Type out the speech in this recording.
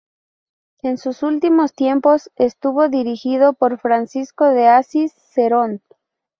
En sus últimos tiempos estuvo dirigido por Francisco de Asís Cerón.